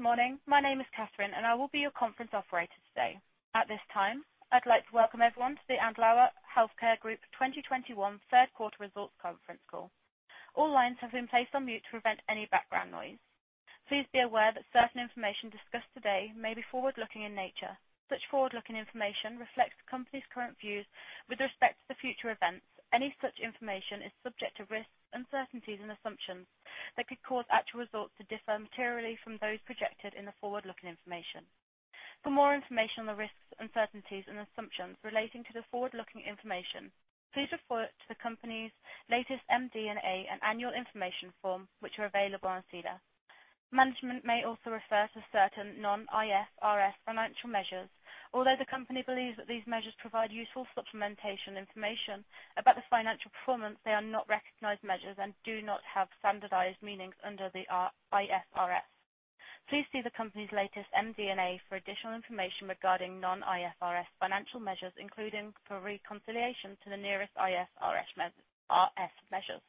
Good morning. My name is Catherine, and I will be your conference operator today. At this time, I'd like to welcome everyone to the Andlauer Healthcare Group 2021 third quarter results conference call. All lines have been placed on mute to prevent any background noise. Please be aware that certain information discussed today may be forward-looking in nature. Such forward-looking information reflects the company's current views with respect to future events. Any such information is subject to risks, uncertainties, and assumptions that could cause actual results to differ materially from those projected in the forward-looking information. For more information on the risks, uncertainties, and assumptions relating to the forward-looking information, please refer to the company's latest MD&A and annual information form, which are available on SEDAR. Management may also refer to certain non-IFRS financial measures. Although the company believes that these measures provide useful supplementation information about the financial performance, they are not recognized measures and do not have standardized meanings under the IFRS. Please see the company's latest MD&A for additional information regarding non-IFRS financial measures, including for reconciliation to the nearest IFRS measures.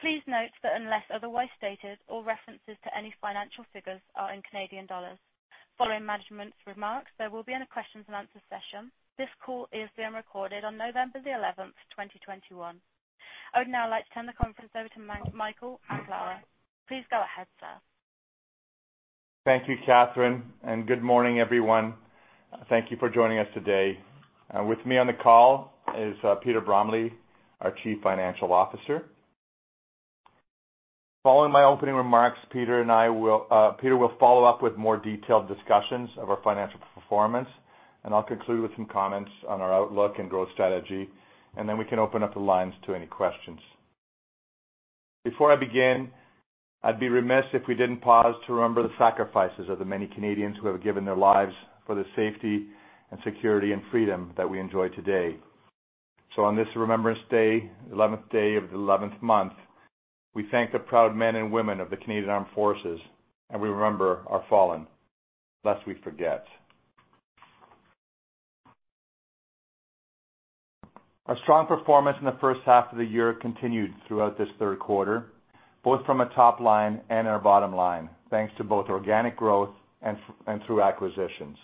Please note that unless otherwise stated, all references to any financial figures are in Canadian dollars. Following management's remarks, there will be a question and answer session. This call is being recorded on November 11, 2021. I would now like to turn the conference over to Michael Andlauer. Please go ahead, sir. Thank you, Catherine, and good morning, everyone. Thank you for joining us today. With me on the call is Peter Bromley, our Chief Financial Officer. Following my opening remarks, Peter will follow up with more detailed discussions of our financial performance, and I'll conclude with some comments on our outlook and growth strategy, and then we can open up the lines to any questions. Before I begin, I'd be remiss if we didn't pause to remember the sacrifices of the many Canadians who have given their lives for the safety and security and freedom that we enjoy today. On this Remembrance Day, 11th day of the 11th month, we thank the proud men and women of the Canadian Armed Forces, and we remember our fallen, lest we forget. Our strong performance in the first half of the year continued throughout this third quarter, both from a top line and our bottom line, thanks to both organic growth and through acquisitions.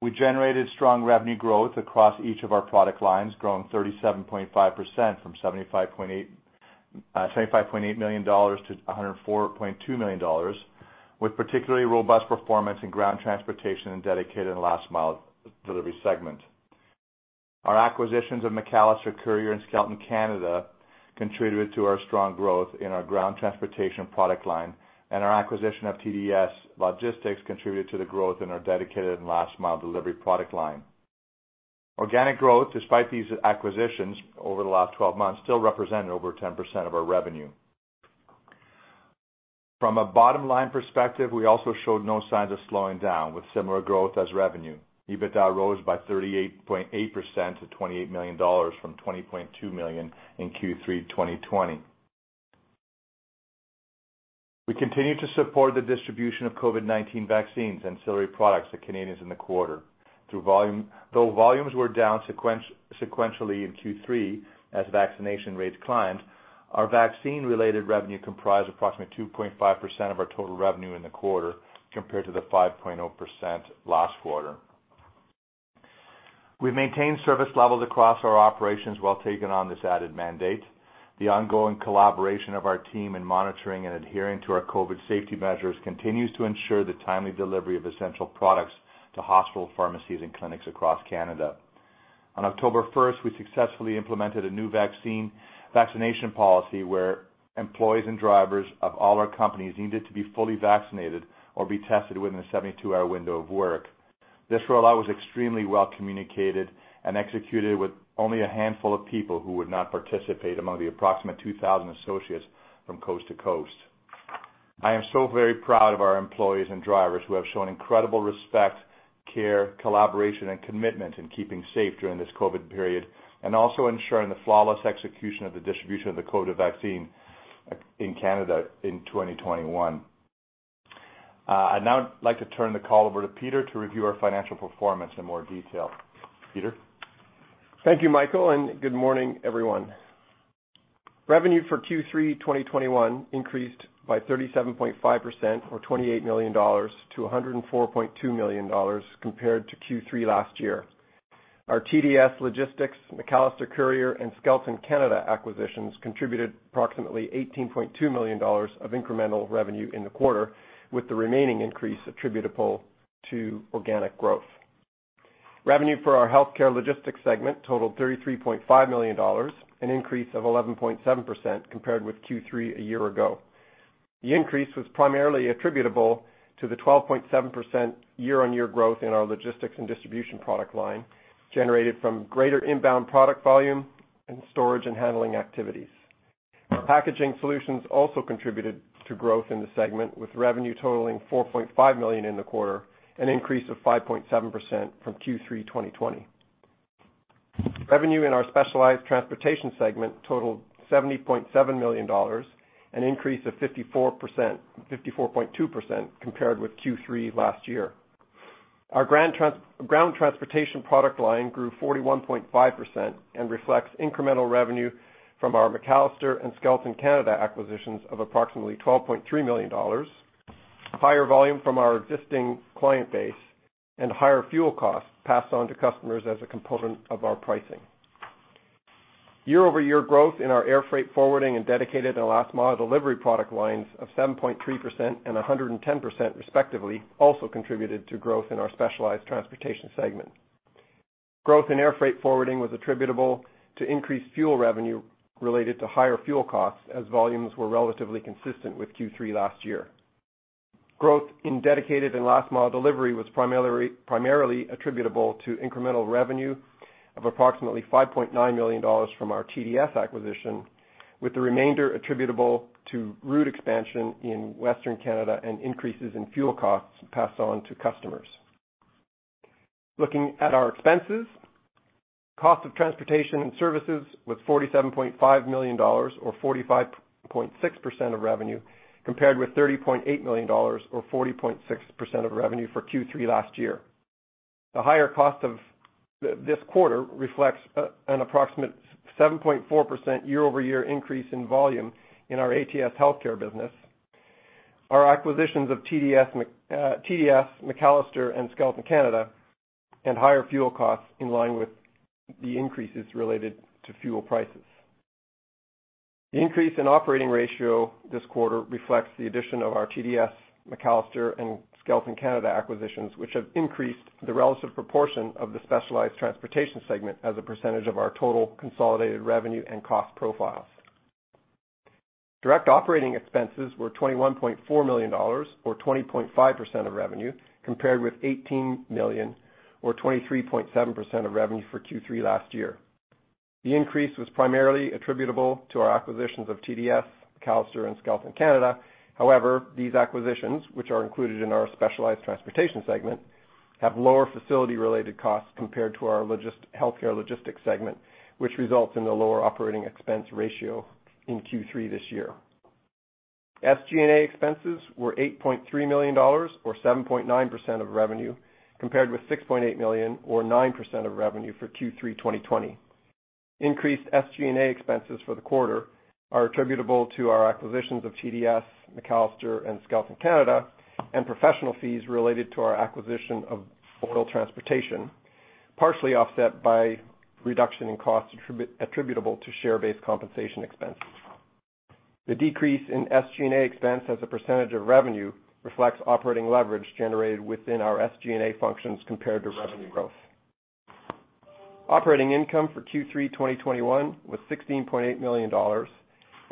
We generated strong revenue growth across each of our product lines, growing 37.5% from 75.8 million-104.2 million dollars, with particularly robust performance in ground transportation and dedicated and last mile delivery segment. Our acquisitions of McAllister Courier and Skelton Canada contributed to our strong growth in our ground transportation product line, and our acquisition of TDS Logistics contributed to the growth in our dedicated and last mile delivery product line. Organic growth, despite these acquisitions over the last twelve months, still represented over 10% of our revenue. From a bottom-line perspective, we also showed no signs of slowing down, with similar growth as revenue. EBITDA rose by 38.8% to 28 million dollars from 20.2 million in Q3 2020. We continue to support the distribution of COVID-19 vaccines, ancillary products to Canadians in the quarter. Though volumes were down sequentially in Q3 as vaccination rates climbed, our vaccine-related revenue comprised approximately 2.5% of our total revenue in the quarter compared to the 5.0% last quarter. We've maintained service levels across our operations while taking on this added mandate. The ongoing collaboration of our team in monitoring and adhering to our COVID safety measures continues to ensure the timely delivery of essential products to hospital pharmacies and clinics across Canada. On October 1st, we successfully implemented a new vaccination policy where employees and drivers of all our companies needed to be fully vaccinated or be tested within a 72-hour window of work. This rollout was extremely well-communicated and executed with only a handful of people who would not participate among the approximate 2,000 associates from coast to coast. I am so very proud of our employees and drivers who have shown incredible respect, care, collaboration, and commitment in keeping safe during this COVID period and also ensuring the flawless execution of the distribution of the COVID vaccine in Canada in 2021. I'd now like to turn the call over to Peter to review our financial performance in more detail. Peter? Thank you, Michael, and good morning, everyone. Revenue for Q3 2021 increased by 37.5% or 28 million-104.2 million dollars compared to Q3 last year. Our TDS Logistics, McAllister Courier, and Skelton Canada acquisitions contributed approximately 18.2 million dollars of incremental revenue in the quarter, with the remaining increase attributable to organic growth. Revenue for our healthcare logistics segment totaled 33.5 million dollars, an increase of 11.7% compared with Q3 a year ago. The increase was primarily attributable to the 12.7% year-on-year growth in our logistics and distribution product line, generated from greater inbound product volume and storage and handling activities. Our packaging solutions also contributed to growth in the segment, with revenue totaling 4.5 million in the quarter, an increase of 5.7% from Q3 2020. Revenue in our specialized transportation segment totaled 70.7 million dollars, an increase of 54.2% compared with Q3 last year. Our ground transportation product line grew 41.5% and reflects incremental revenue from our McAllister and Skelton Canada acquisitions of approximately 12.3 million dollars, higher volume from our existing client base, and higher fuel costs passed on to customers as a component of our pricing. Year-over-year growth in our air freight forwarding and dedicated and last mile delivery product lines of 7.3% and 110% respectively also contributed to growth in our specialized transportation segment. Growth in air freight forwarding was attributable to increased fuel revenue related to higher fuel costs as volumes were relatively consistent with Q3 last year. Growth in dedicated and last mile delivery was primarily attributable to incremental revenue of approximately 5.9 million dollars from our TDS acquisition, with the remainder attributable to route expansion in Western Canada and increases in fuel costs passed on to customers. Looking at our expenses, cost of transportation and services was 47.5 million dollars or 45.6% of revenue, compared with 30.8 million dollars or 40.6% of revenue for Q3 last year. The higher cost of this quarter reflects an approximate 7.4% year-over-year increase in volume in our ATS Healthcare business. Our acquisitions of TDS, McAllister, and Skelton Canada, and higher fuel costs in line with the increases related to fuel prices. The increase in operating ratio this quarter reflects the addition of our TDS, McAllister, and Skelton Canada acquisitions, which have increased the relative proportion of the specialized transportation segment as a percentage of our total consolidated revenue and cost profiles. Direct operating expenses were 21.4 million dollars or 20.5% of revenue, compared with 18 million or 23.7% of revenue for Q3 last year. The increase was primarily attributable to our acquisitions of TDS, McAllister, and Skelton Canada. However, these acquisitions, which are included in our Specialized Transportation segment, have lower facility-related costs compared to our Healthcare Logistics segment, which results in a lower operating expense ratio in Q3 this year. SG&A expenses were 8.3 million dollars or 7.9% of revenue, compared with 6.8 million or 9% of revenue for Q3 2020. Increased SG&A expenses for the quarter are attributable to our acquisitions of TDS, McAllister, and Skelton Canada and professional fees related to our acquisition of Boyle Transportation, partially offset by reduction in costs attributable to share-based compensation expenses. The decrease in SG&A expense as a percentage of revenue reflects operating leverage generated within our SG&A functions compared to revenue growth. Operating income for Q3 2021 was 16.8 million dollars,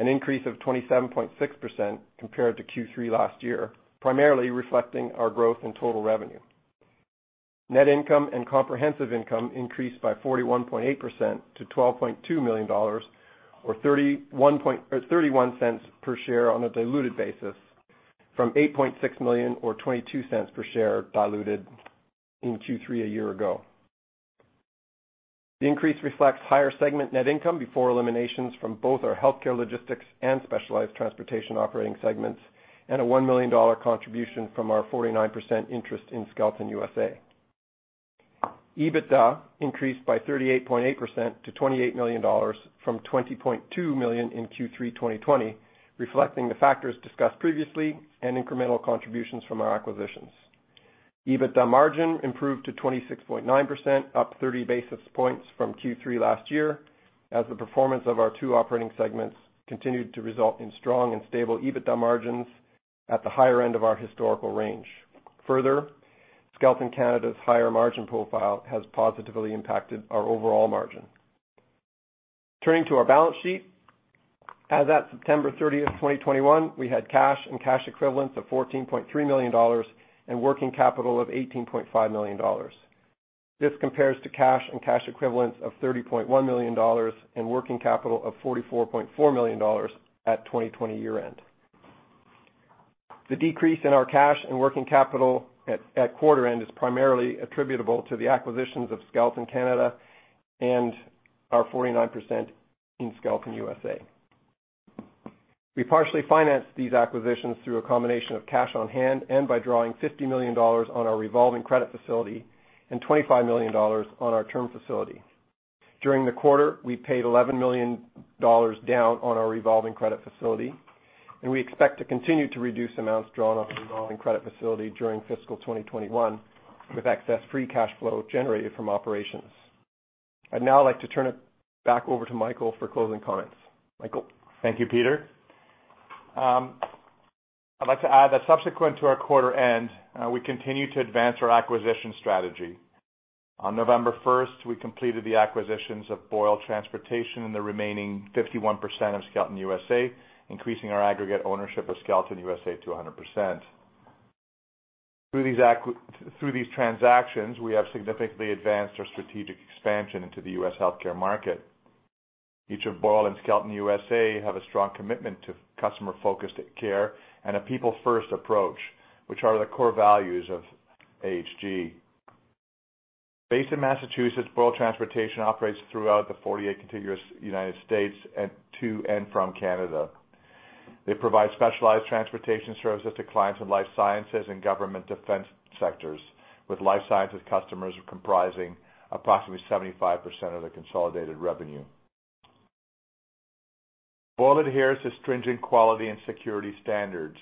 an increase of 27.6% compared to Q3 last year, primarily reflecting our growth in total revenue. Net income and comprehensive income increased by 41.8% to 12.2 million dollars or 0.31 per share on a diluted basis from 8.6 million or 0.22 per share diluted in Q3 a year ago. The increase reflects higher segment net income before eliminations from both our Healthcare Logistics and specialized Transportation operating segments, and a 1 million dollar contribution from our 49% interest in Skelton USA. EBITDA increased by 38.8% to 28 million dollars from 20.2 million in Q3 2020, reflecting the factors discussed previously and incremental contributions from our acquisitions. EBITDA margin improved to 26.9%, up 30 basis points from Q3 last year, as the performance of our two operating segments continued to result in strong and stable EBITDA margins at the higher end of our historical range. Further, Skelton Canada's higher margin profile has positively impacted our overall margin. Turning to our balance sheet. As at September 30, 2021, we had cash and cash equivalents of 14.3 million dollars and working capital of 18.5 million dollars. This compares to cash and cash equivalents of 30.1 million dollars and working capital of 44.4 million dollars at 2020 year-end. The decrease in our cash and working capital at quarter end is primarily attributable to the acquisitions of Skelton Canada and our 49% in Skelton USA. We partially financed these acquisitions through a combination of cash on hand and by drawing 50 million dollars on our revolving credit facility and 25 million dollars on our term facility. During the quarter, we paid 11 million dollars down on our revolving credit facility, and we expect to continue to reduce amounts drawn off the revolving credit facility during fiscal 2021 with excess free cash flow generated from operations. I'd now like to turn it back over to Michael for closing comments. Michael? Thank you, Peter. I'd like to add that subsequent to our quarter end, we continue to advance our acquisition strategy. On November 1, we completed the acquisitions of Boyle Transportation and the remaining 51% of Skelton USA, increasing our aggregate ownership of Skelton USA to 100%. Through these transactions, we have significantly advanced our strategic expansion into the U.S. healthcare market. Each of Boyle and Skelton USA have a strong commitment to customer-focused care and a people-first approach, which are the core values of AHG. Based in Massachusetts, Boyle Transportation operates throughout the 48 contiguous United States and to and from Canada. They provide specialized transportation services to clients in life sciences and government defense sectors, with life sciences customers comprising approximately 75% of the consolidated revenue. Boyle adheres to stringent quality and security standards,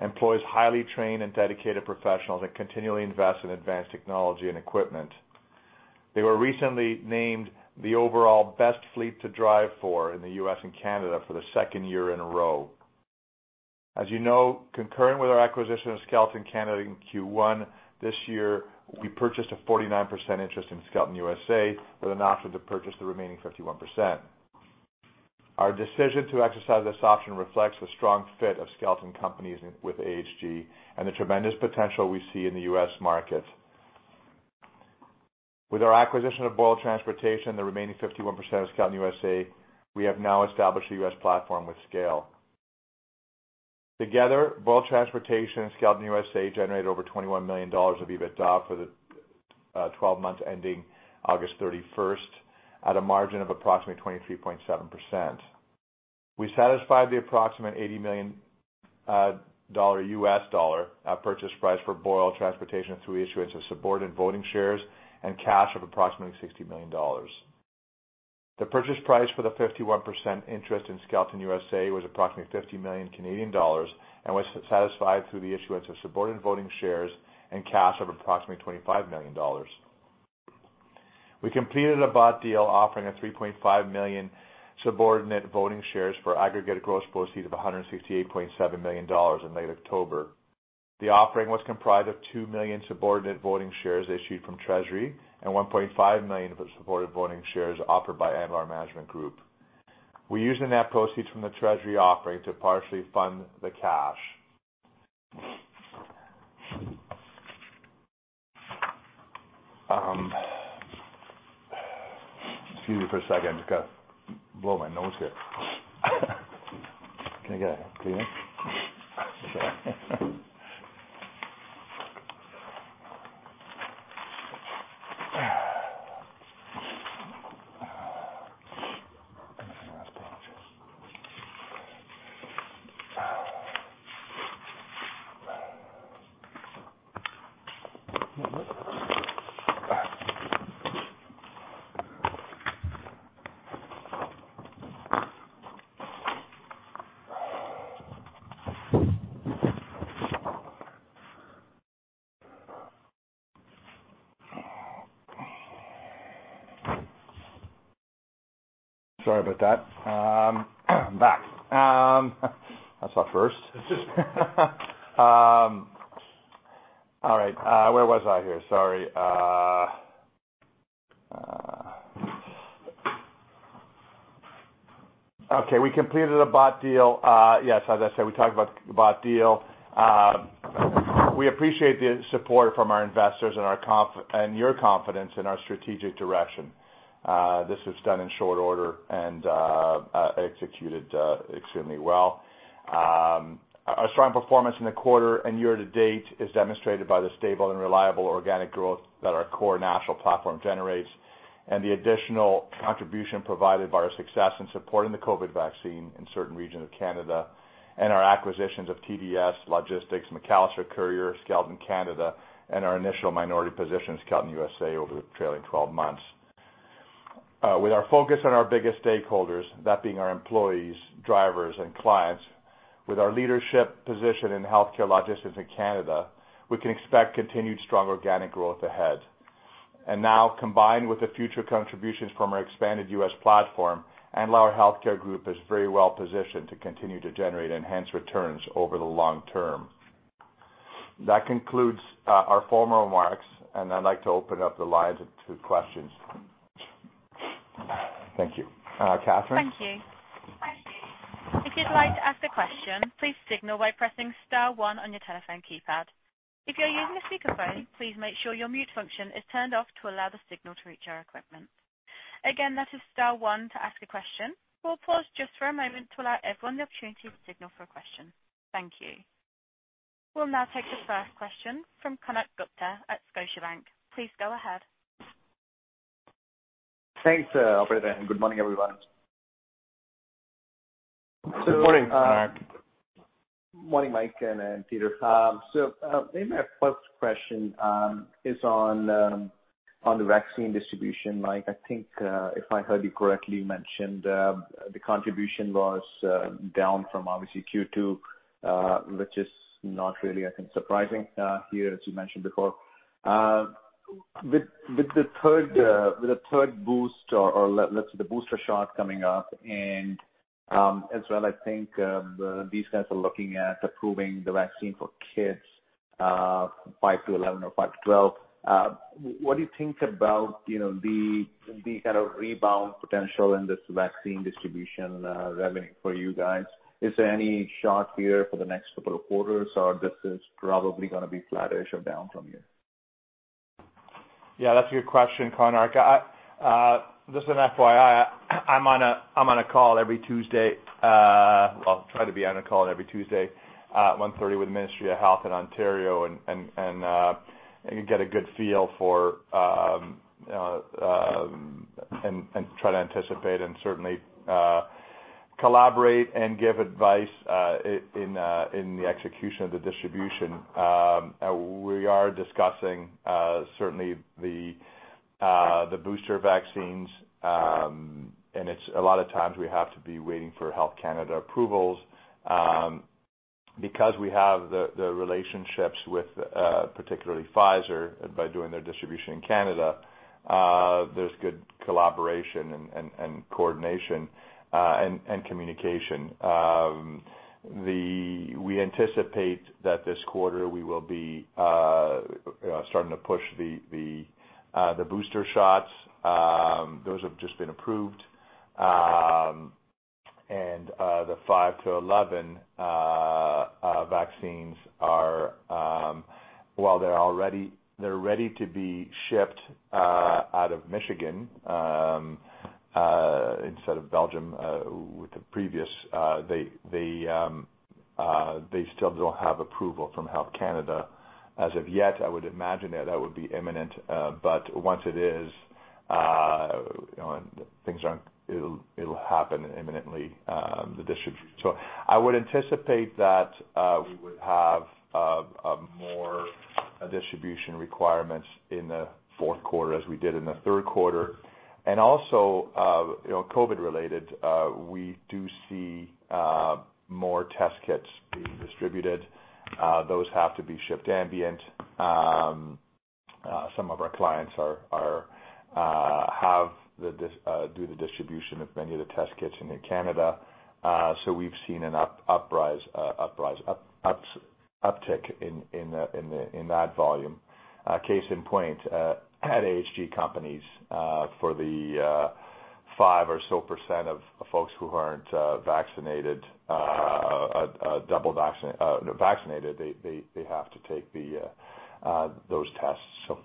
employs highly trained and dedicated professionals, and continually invest in advanced technology and equipment. They were recently named the overall best fleet to drive for in the U.S. and Canada for the second year in a row. As you know, concurrent with our acquisition of Skelton Canada in Q1 this year, we purchased a 49% interest in Skelton USA with an option to purchase the remaining 51%. Our decision to exercise this option reflects the strong fit of Skelton Companies with AHG and the tremendous potential we see in the U.S. market. With our acquisition of Boyle Transportation and the remaining 51% of Skelton USA, we have now established a U.S. platform with scale. Together, Boyle Transportation and Skelton USA generated over $21 million of EBITDA for the 12 months ending August 31st, at a margin of approximately 23.7%. We satisfied the approximate $80 million purchase price for Boyle Transportation through issuance of subordinate voting shares and cash of approximately $60 million. The purchase price for the 51% interest in Skelton USA was approximately 50 million Canadian dollars and was satisfied through the issuance of subordinate voting shares and cash of approximately CAD 25 million. We completed a bought deal offering 3.5 million subordinate voting shares for aggregate gross proceeds of 168.7 million dollars in late October. The offering was comprised of 2 million subordinate voting shares issued from treasury and 1.5 million subordinate voting shares offered by Andlauer Management Group. We used the net proceeds from the bought deal to partially fund the cash. Excuse me for a second. Just gotta blow my nose here. Can I get a Kleenex? Okay. Sorry about that. I'm back. That's our first. All right. Where was I here? Sorry. Okay, we completed a bought deal. Yes, as I said, we talked about bought deal. We appreciate the support from our investors and your confidence in our strategic direction. This was done in short order and executed extremely well. Our strong performance in the quarter and year to date is demonstrated by the stable and reliable organic growth that our core national platform generates and the additional contribution provided by our success in supporting the COVID vaccine in certain regions of Canada and our acquisitions of TDS Logistics, McAllister Courier, Skelton Canada, and our initial minority position in Skelton USA over the trailing 12 months. With our focus on our biggest stakeholders, that being our employees, drivers and clients, with our leadership position in healthcare logistics in Canada, we can expect continued strong organic growth ahead. Now, combined with the future contributions from our expanded U.S. platform, Andlauer Healthcare Group is very well positioned to continue to generate enhanced returns over the long term. That concludes our formal remarks, and I'd like to open up the lines to questions. Thank you. Catherine? Thank you. If you'd like to ask a question, please signal by pressing star one on your telephone keypad. If you're using a speakerphone, please make sure your mute function is turned off to allow the signal to reach our equipment. Again, that is star one to ask a question. We'll pause just for a moment to allow everyone the opportunity to signal for a question. Thank you. We'll now take the first question from Konark Gupta at Scotiabank. Please go ahead. Thanks, operator, and good morning, everyone. Good morning, Konark. Morning, Mike and Peter. Maybe my first question is on the vaccine distribution. Mike, I think if I heard you correctly, you mentioned the contribution was down from obviously Q2, which is not really, I think, surprising here, as you mentioned before. With the third boost or let's say the booster shot coming up and, as well, I think these guys are looking at approving the vaccine for kids five to 11 or five to 12. What do you think about, you know, the kind of rebound potential in this vaccine distribution revenue for you guys? Is there any shot here for the next couple of quarters, or this is probably gonna be flattish or down from here? Yeah, that's a good question, Konark. Just an FYI, I'm on a call every Tuesday, well, try to be on a call every Tuesday at 1:30 with the Ministry of Health in Ontario and you get a good feel for and try to anticipate and certainly collaborate and give advice in the execution of the distribution. We are discussing certainly the booster vaccines. It's a lot of times we have to be waiting for Health Canada approvals. Because we have the relationships with particularly Pfizer by doing their distribution in Canada, there's good collaboration and coordination and communication. We anticipate that this quarter we will be starting to push the booster shots. Those have just been approved. The five years to 11 years vaccines are ready to be shipped out of Michigan instead of Belgium with the previous. They still don't have approval from Health Canada as of yet. I would imagine that would be imminent, but once it is, you know, it'll happen imminently. I would anticipate that we would have more distribution requirements in the fourth quarter as we did in the third quarter. Also, you know, COVID-related, we do see more test kits being distributed. Those have to be shipped ambient. Some of our clients do the distribution of many of the test kits in Canada. We've seen an uptick in that volume. Case in point, at AHG companies, for the 5% or so of folks who aren't double vaccinated, they have to take those tests, so.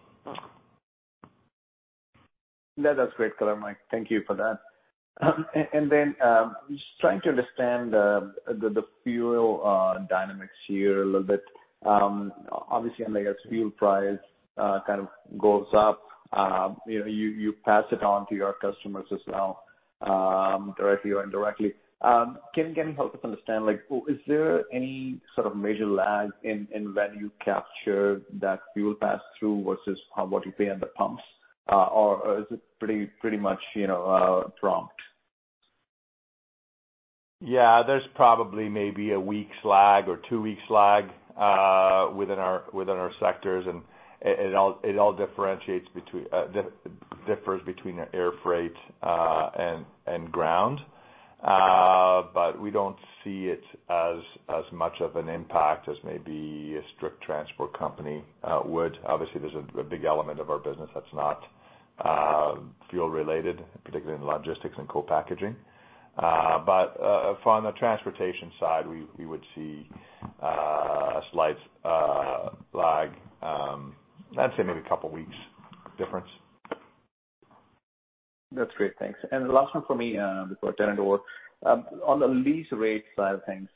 That's great color, Mike, thank you for that. I'm just trying to understand the fuel dynamics here a little bit. Obviously, I guess fuel price kind of goes up. You know, you pass it on to your customers as well, directly or indirectly. Can you help us understand, like, is there any sort of major lag in when you capture that fuel pass-through versus what you pay on the pumps? Or is it pretty much, you know, prompt? Yeah. There's probably maybe a week's lag or two weeks' lag within our sectors. It all differs between the air freight and ground. We don't see it as much of an impact as maybe a strict transport company would. Obviously, there's a big element of our business that's not fuel related, particularly in logistics and co-packaging. From the transportation side, we would see a slight lag. I'd say maybe a couple weeks difference. That's great. Thanks. The last one for me, before I turn it over. On the lease rate side of things,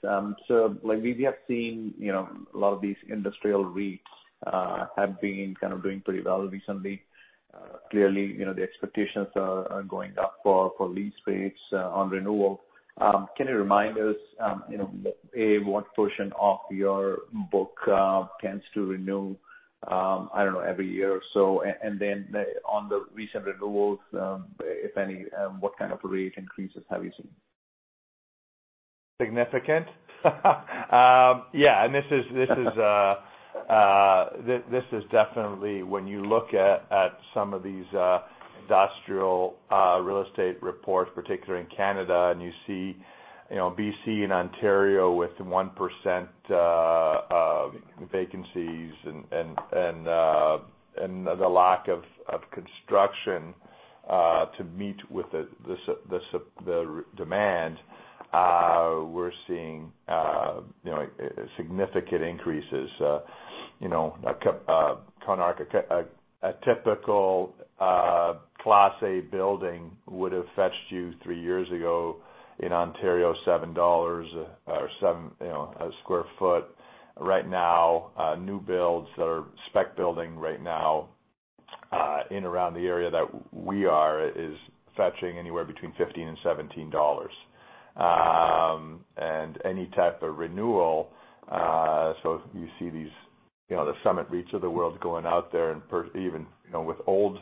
so like we have seen, you know, a lot of these industrial rates have been kind of doing pretty well recently. Clearly, you know, the expectations are going up for lease rates on renewal. Can you remind us, you know, A, what portion of your book tends to renew, I don't know, every year or so? And then on the recent renewals, if any, what kind of rate increases have you seen? Significant. Yeah. This is definitely when you look at some of these industrial real estate reports, particularly in Canada, and you see you know BC and Ontario with 1% vacancies and the lack of construction to meet the demand. We're seeing you know significant increases. You know, Konark, a typical class A building would have fetched you 3 years ago in Ontario 7 dollars or 7 you know a sq ft. Right now, new builds that are spec building right now in around the area that we are is fetching anywhere between 15-17 dollars. Any type of renewal, so you see these, you know, the SummitReach of the world going out there and even, you know, with old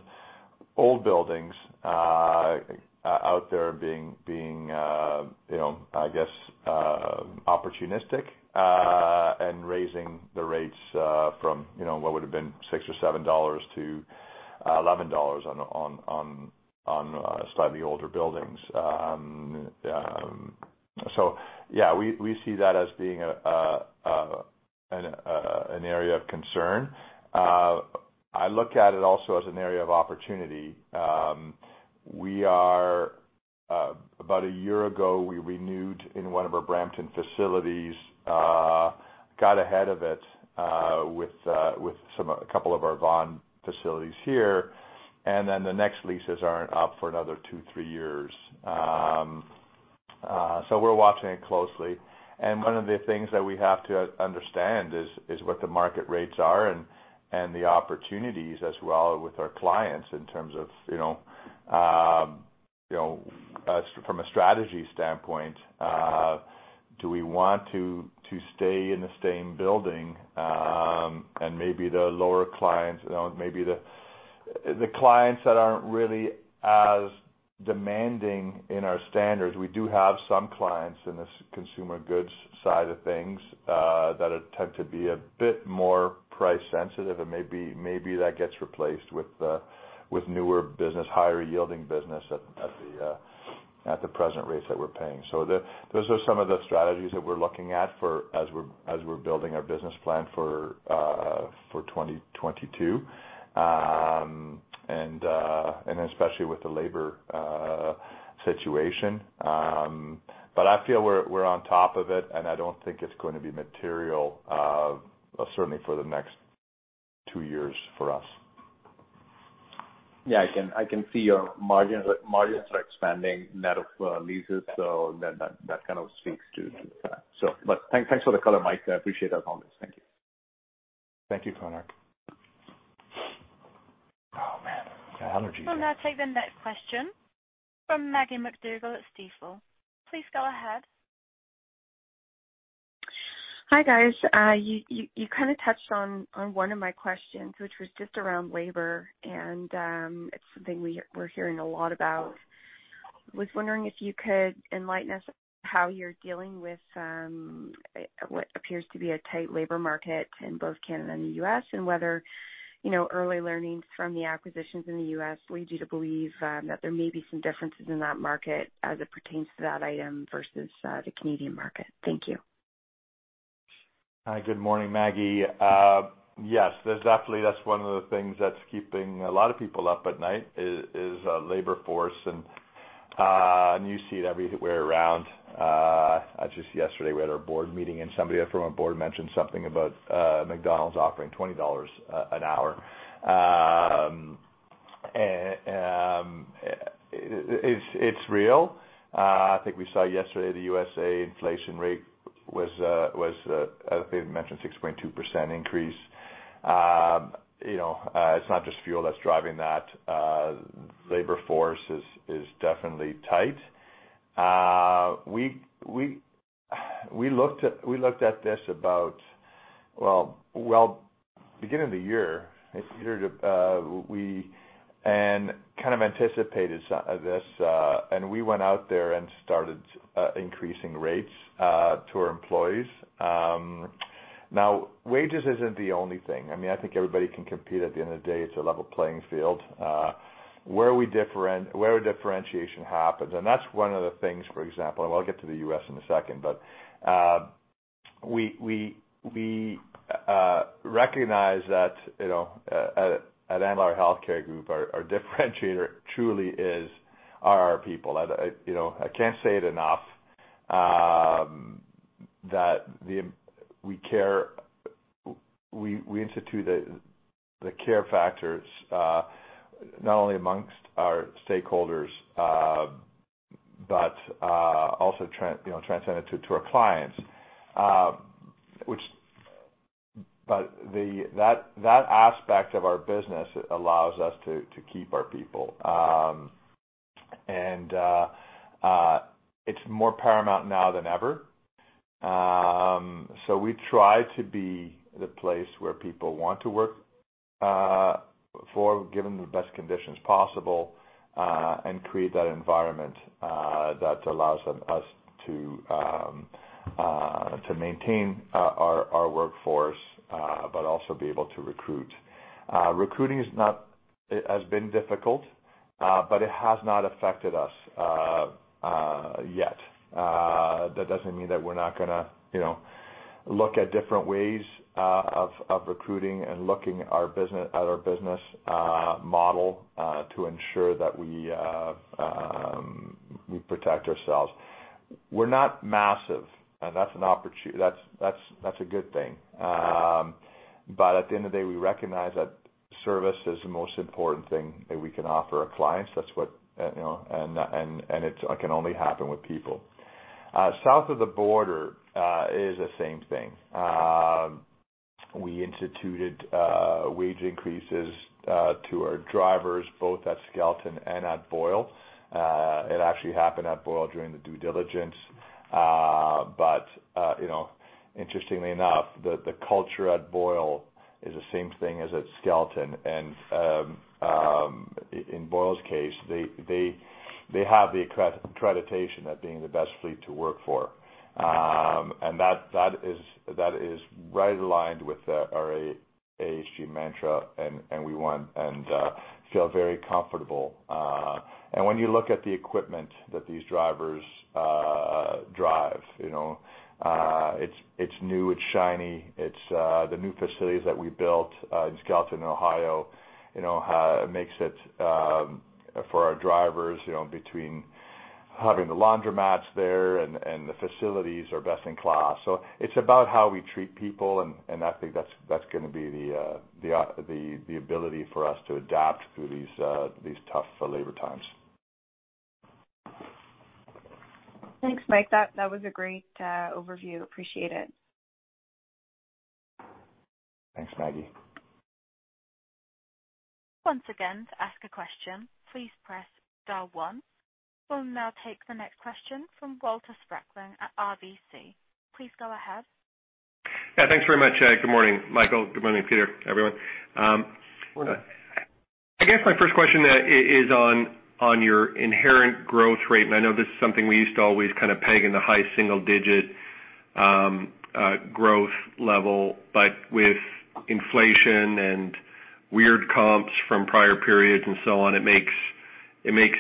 buildings out there being, you know, I guess, opportunistic and raising the rates from, you know, what would have been 6 or 7 dollars to 11 dollars on slightly older buildings. Yeah, we see that as being an area of concern. I look at it also as an area of opportunity. About a year ago, we renewed in one of our Brampton facilities, got ahead of it with a couple of our Vaughan facilities here, and then the next leases aren't up for another two, three years. We're watching it closely. One of the things that we have to understand is what the market rates are and the opportunities as well with our clients in terms of, you know, from a strategy standpoint, do we want to stay in the same building, and maybe the lower clients, you know, maybe the clients that aren't really as demanding in our standards. We do have some clients in this consumer goods side of things that tend to be a bit more price-sensitive, and maybe that gets replaced with newer business, higher-yielding business at the present rates that we're paying. Those are some of the strategies that we're looking at for as we're building our business plan for 2022, and especially with the labor situation. I feel we're on top of it, and I don't think it's going to be material, certainly for the next two years for us. Yeah. I can see your margins are expanding net of leases, so that kind of speaks to that. But thanks for the color, Mike. I appreciate those comments. Thank you. Thank you, Konark. Oh, man. The allergies. We'll now take the next question from Maggie MacDougall at Stifel. Please go ahead. Hi, guys. You kind of touched on one of my questions, which was just around labor, and it's something we're hearing a lot about. Was wondering if you could enlighten us how you're dealing with what appears to be a tight labor market in both Canada and U.S., and whether, you know, early learnings from the acquisitions in the U.S. lead you to believe that there may be some differences in that market as it pertains to that item versus the Canadian market. Thank you. Hi. Good morning, Maggie. Yes. There's definitely, that's one of the things that's keeping a lot of people up at night is labor force and you see it everywhere around. Just yesterday, we had our board meeting, and somebody from our board mentioned something about McDonald's offering $20 an hour. And it's real. I think we saw yesterday the U.S. inflation rate was I think it mentioned 6.2% increase. You know, it's not just fuel that's driving that. Labor force is definitely tight. We looked at this about, well, beginning of the year, I think we started and kind of anticipated so this, and we went out there and started increasing rates to our employees. Now wages isn't the only thing. I mean, I think everybody can compete at the end of the day. It's a level playing field. Where our differentiation happens, and that's one of the things, for example, and I'll get to the U.S. in a second. We recognize that, you know, at Andlauer Healthcare Group, our differentiator truly is our people. I, you know, I can't say it enough, that we care, we institute the care factors, not only amongst our stakeholders, but also transcend it to our clients. That aspect of our business allows us to keep our people. It's more paramount now than ever. We try to be the place where people want to work for given the best conditions possible, and create that environment that allows them to maintain our workforce, but also be able to recruit. Recruiting has been difficult, but it has not affected us yet. That doesn't mean that we're not gonna, you know, look at different ways of recruiting and looking at our business model to ensure that we protect ourselves. We're not massive, and that's a good thing. At the end of the day, we recognize that service is the most important thing that we can offer our clients. That's what you know, and it can only happen with people. South of the border is the same thing. We instituted wage increases to our drivers, both at Skelton and at Boyle. It actually happened at Boyle during the due diligence. You know, interestingly enough, the culture at Boyle is the same thing as at Skelton. In Boyle's case, they have the accreditation as being the best fleet to work for. That is right aligned with our AHG mantra, and we want and feel very comfortable. When you look at the equipment that these drivers drive, you know, it's new, it's shiny. It's the new facilities that we built in Skelton and Ohio, you know, makes it for our drivers, you know, between having the laundromats there and the facilities are best in class. It's about how we treat people and I think that's gonna be the ability for us to adapt through these tough labor times. Thanks, Mike. That was a great overview. Appreciate it. Thanks, Maggie. Once again, to ask a question, please press star one. We'll now take the next question from Walter Spracklin at RBC. Please go ahead. Yeah, thanks very much. Good morning, Michael. Good morning, Peter, everyone. I guess my first question is on your inherent growth rate, and I know this is something we used to always kinda peg in the high single digit growth level. With inflation and weird comps from prior periods and so on, it makes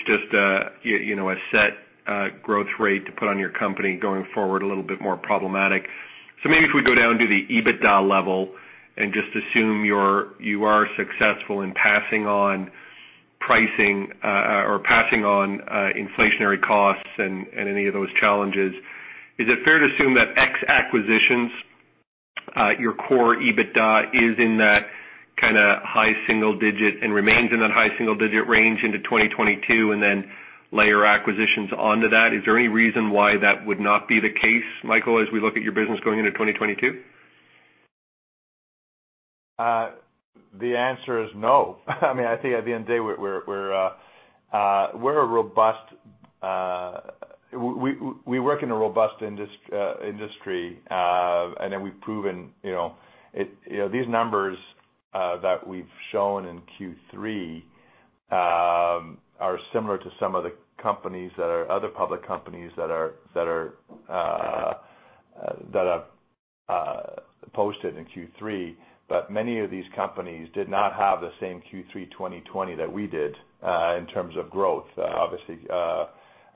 just a, you know, a set growth rate to put on your company going forward a little bit more problematic. Maybe if we go down to the EBITDA level and just assume you are successful in passing on pricing or passing on inflationary costs and any of those challenges, is it fair to assume that ex-acquisitions your core EBITDA is in that kinda high single-digit and remains in that high single-digit range into 2022, and then layer acquisitions onto that? Is there any reason why that would not be the case, Michael, as we look at your business going into 2022? The answer is no. I mean, I think at the end of the day, we're a robust. We work in a robust industry, and then we've proven, you know. You know, these numbers that we've shown in Q3 are similar to some of the other public companies that have posted in Q3. Many of these companies did not have the same Q3 2020 that we did in terms of growth. Obviously,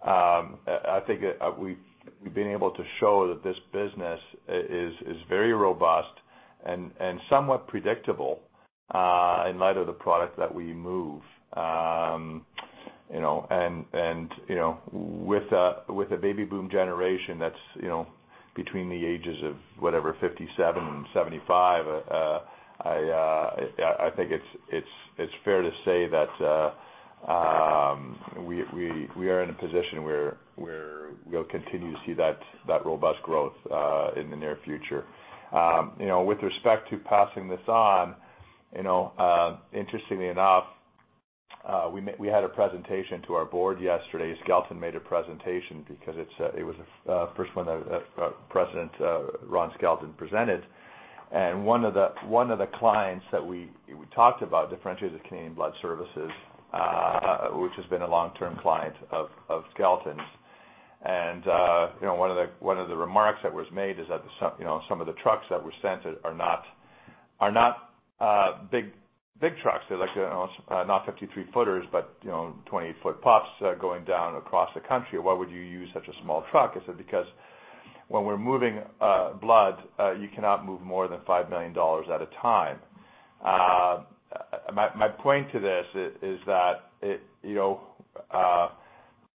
I think, we've been able to show that this business is very robust and somewhat predictable in light of the product that we move. You know, with the baby boom generation that's you know between the ages of whatever 57 years and 75 years, I think it's fair to say that we are in a position where we'll continue to see that robust growth in the near future. You know, with respect to passing this on, you know, interestingly enough, we had a presentation to our board yesterday. Skelton made a presentation because it was the first one that President Ron Skelton presented. One of the clients that we talked about, differentiated Canadian Blood Services, which has been a long-term client of Skelton's. You know, one of the remarks that was made is that, so you know, some of the trucks that were sent are not big trucks. They're like not 53-footers, but you know, 20-foot pups going down across the country. Why would you use such a small truck? I said, "Because when we're moving blood, you cannot move more than 5 million dollars at a time." My point to this is that it, you know,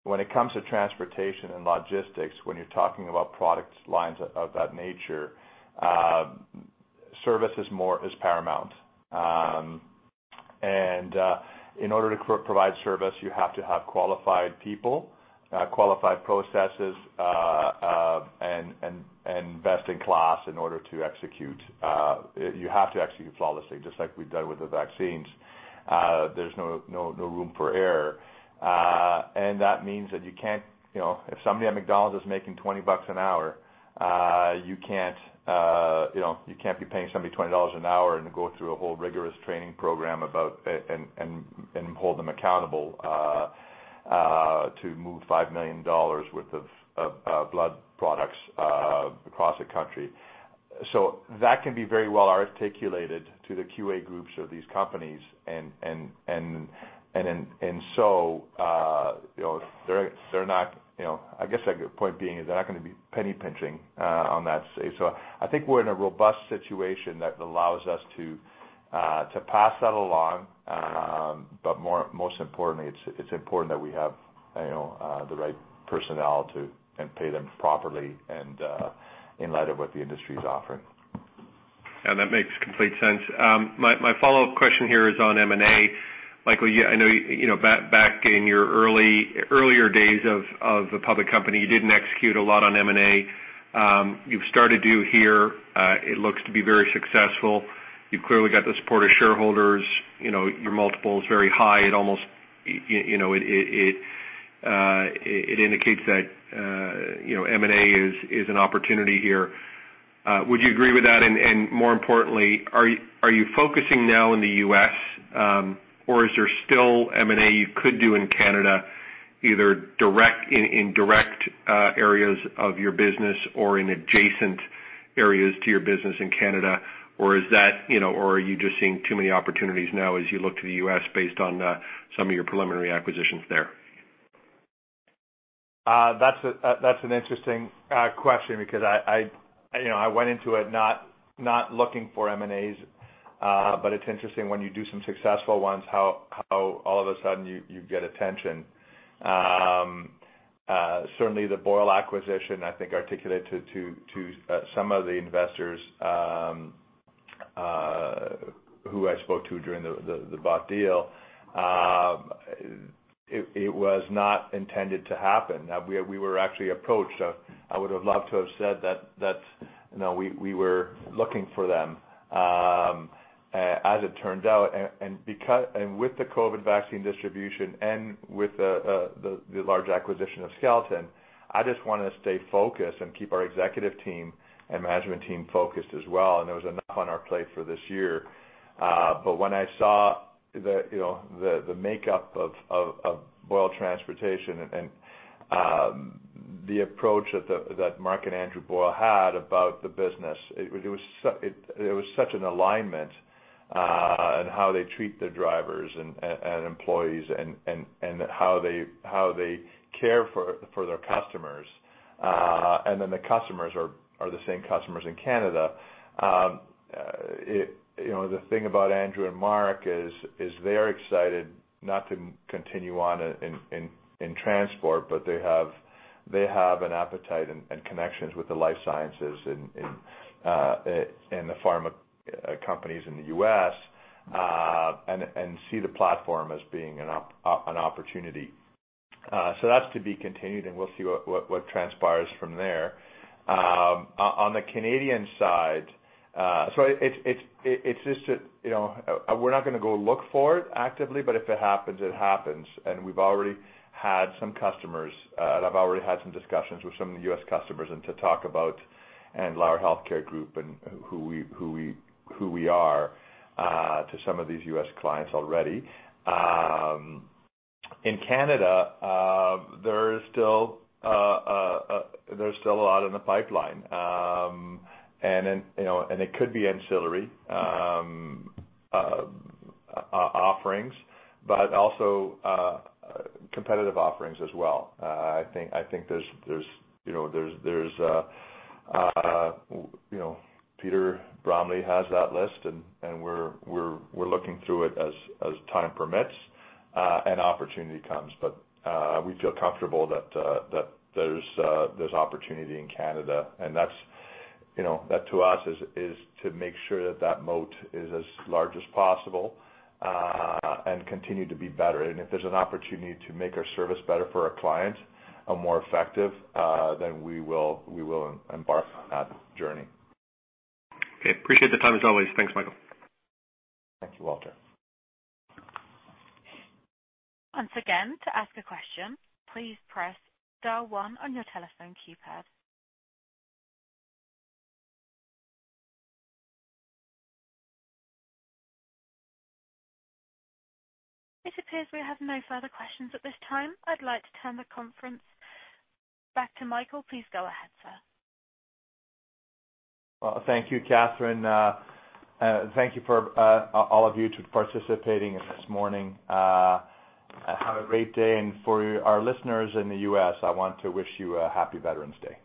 when it comes to transportation and logistics, when you're talking about product lines of that nature, service is paramount. In order to provide service, you have to have qualified people, qualified processes, and best in class in order to execute. You have to execute flawlessly, just like we've done with the vaccines. There's no room for error. That means that you can't, you know. If somebody at McDonald's is making $20 an hour, you can't, you know, you can't be paying somebody $20 an hour and go through a whole rigorous training program about it and then, you know, they're not, you know. I guess a good point being is they're not gonna be penny pinching on that, say. I think we're in a robust situation that allows us to pass that along. Most importantly, it's important that we have, you know, the right personnel and pay them properly and in light of what the industry is offering. Yeah, that makes complete sense. My follow-up question here is on M&A. Michael, I know, you know, back in your earlier days of the public company, you didn't execute a lot on M&A. You've started to here. It looks to be very successful. You've clearly got the support of shareholders. You know, your multiple is very high. It almost, you know, it indicates that, you know, M&A is an opportunity here. Would you agree with that? More importantly, are you focusing now in the U.S., or is there still M&A you could do in Canada, either direct, indirect areas of your business or in adjacent areas to your business in Canada? is that, you know, or are you just seeing too many opportunities now as you look to the U.S. based on some of your preliminary acquisitions there? That's an interesting question because I, you know, I went into it not looking for M&As. It's interesting when you do some successful ones, how all of a sudden you get attention. Certainly the Boyle acquisition, I think, articulated to some of the investors who I spoke to during the bought deal. It was not intended to happen. We were actually approached. I would have loved to have said that, you know, we were looking for them, as it turned out. With the COVID vaccine distribution and with the large acquisition of Skelton, I just wanna stay focused and keep our executive team and management team focused as well. There was enough on our plate for this year. When I saw the makeup of Boyle Transportation and the approach that Mark and Andrew Boyle had about the business, it was such an alignment in how they treat their drivers and employees and how they care for their customers. Then the customers are the same customers in Canada. The thing about Andrew and Mark is they're excited not to continue on in transport, but they have an appetite and connections with the life sciences and the pharma companies in the U.S., and see the platform as being an opportunity. That's to be continued, and we'll see what transpires from there. On the Canadian side, it's just that, you know, we're not gonna go look for it actively, but if it happens, it happens. We've already had some customers. I've already had some discussions with some of the U.S. customers and to talk about Andlauer Healthcare Group and who we are, to some of these U.S. clients already. In Canada, there's still a lot in the pipeline. It could be ancillary offerings, but also competitive offerings as well. I think there's, you know, Peter Bromley has that list and we're looking through it as time permits and opportunity comes. We feel comfortable that there's opportunity in Canada. That's, you know, that to us is to make sure that that moat is as large as possible and continue to be better. If there's an opportunity to make our service better for our clients and more effective, then we will embark on that journey. Okay. Appreciate the time as always. Thanks, Michael. Thank you, Walter. Once again, to ask a question, please press star one on your telephone keypad. It appears we have no further questions at this time. I'd like to turn the conference back to Michael. Please go ahead, sir. Well, thank you Catherine. Thank you to all of you for participating this morning. Have a great day. For our listeners in the U.S., I want to wish you a Happy Veterans Day.